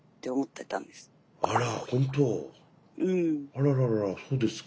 あららららそうですか。